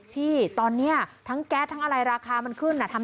พี่ตอนนี้ทั้งแก๊สทั้งอะไรราคามันขึ้น